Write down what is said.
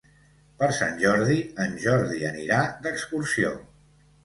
Per Sant Jordi en Jordi anirà d'excursió.